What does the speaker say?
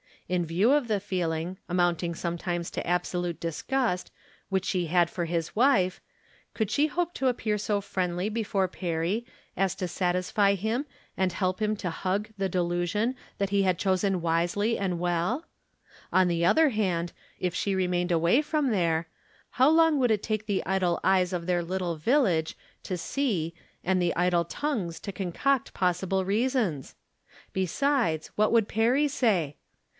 In view of the feeling, amount ing sometimes to absolute disgust, which she had for his wife, could she hope to appear so friendly From Different Standpoints. 113 before Perry as to satisfy him, and help him to hug the delusion that he had chosen wisely and well ? On the other hand, if she remained away from there, how long would it take the idle eyes of their little village to see, and the idle tongues to concoct possible reasons ? Besides, what would Perry say